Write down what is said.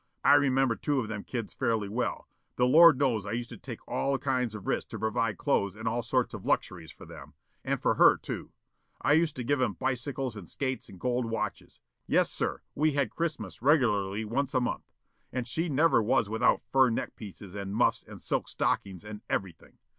I remember two of them kids fairly well. The Lord knows I used to take all kinds of risks to provide clothes and all sorts of luxuries for them, and for her too. I used to give 'em bicycles and skates and gold watches, yes, sir, we had Christmas regularly once a month. And she never was without fur neck pieces and muffs and silk stockings and everything.